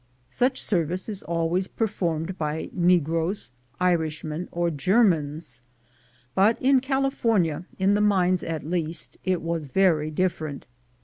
Such service is always performed by negroes, Irishmen, or Germans; but in California, in the mines at least, it was verj' different.